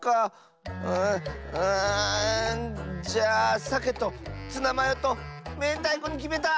じゃあさけとツナマヨとめんたいこにきめた！